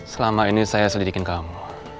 selama ini saya selidikin kamu